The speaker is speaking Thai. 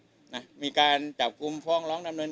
ซึ่งทำอย่างไปได้นะครับมันรอเสื้อน้องเขาอ้างว่าตอบธรรมโดยศาสตร์